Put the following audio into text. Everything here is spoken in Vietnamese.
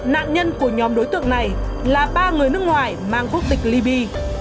nạn nhân của nhóm đối tượng này là ba người nước ngoài mang quốc tịch ly bi